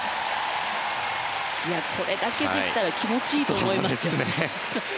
これだけできたら気持ちいいと思いますよ。